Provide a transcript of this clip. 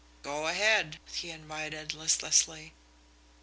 "Go ahead," he invited listlessly.